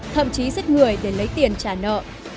thậm chí giết người để lấy tiền trả nợ